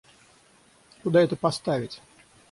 Куда это поставить?